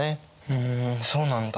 ふんそうなんだ。